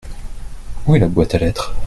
Où est la boîte à lettres ?